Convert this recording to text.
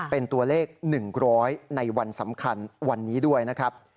เป็นตัวเลข๑๐๐ในวันสำคัญวันนี้ด้วยนะครับ